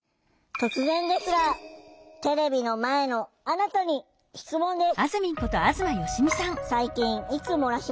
突然ですがテレビの前のあなたに質問です。